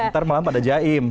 ntar malam ada jaim